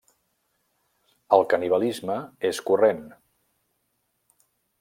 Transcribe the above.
El canibalisme és corrent.